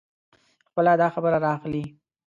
خپله داخبره را اخلي.